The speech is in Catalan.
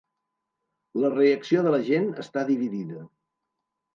La reacció de la gent està dividida.